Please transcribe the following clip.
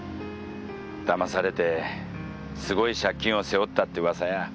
だまされてすごい借金を背負ったって噂や。